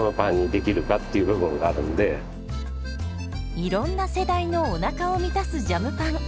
いろんな世代のおなかを満たすジャムパン。